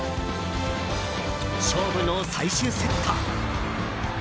勝負の最終セット。